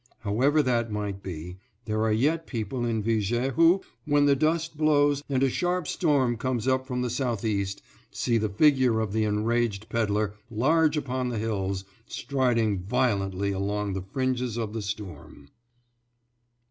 However that might be, there are yet people in Viger who, when the dust blows, and a sharp storm comes up from the southeast, see the figure of the enraged pedler, large upon the hills, striding violently along the fringes of the storm.